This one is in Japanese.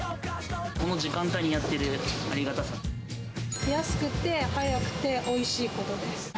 この時間帯にやっているあり安くて、早くて、おいしいことです。